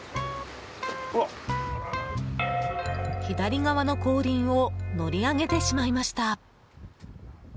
左側の後輪を乗り上げてしまいました。